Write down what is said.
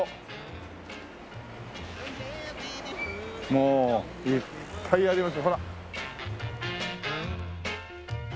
もういっぱいありますよほら。